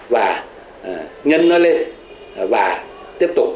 và nhân nó lên và tiếp tục